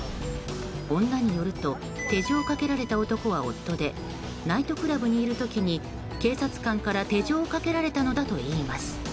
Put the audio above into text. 女によると手錠をかけられた男は夫でナイトクラブにいる時に警察官から手錠をかけられたのだといいます。